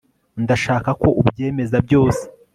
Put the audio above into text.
ndashaka ko ubyemeza byose